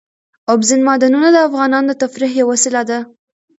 اوبزین معدنونه د افغانانو د تفریح یوه وسیله ده.